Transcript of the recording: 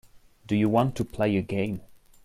Do you want to play a game.